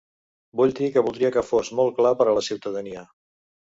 Vull dir que voldria que fos molt clar per a la ciutadania.